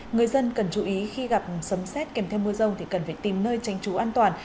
người dân cần chú ý khi gặp sấm xét kèm theo mưa rông thì cần phải tìm nơi tránh trú an toàn